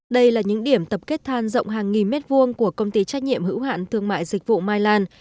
đây là những điểm tập kết than rộng hàng nghìn mét vuông của công ty trách nhiệm hữu hạn thương mại dịch vụ mai lan